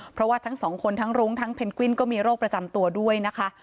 เพราะว่าทั้งสองคนทั้งรุ้งทั้งเพนกวินก็มีโรคประจำตัวด้วยนะคะ